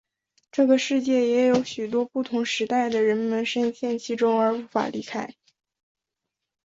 这个世界也有许多不同时代的人们身陷其中而无法离开。